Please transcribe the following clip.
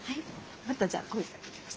またじゃあ声かけますね。